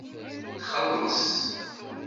Txelleṣ.